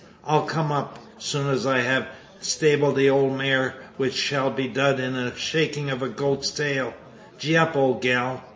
I'll kum up, soon as I ha' stabled the ole maar, which shall be dud in the shakin' o' a goat's tail. Gee up, ole gal!"